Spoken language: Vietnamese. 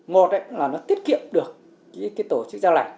một là nó tiết kiệm được tổ chức dao lạnh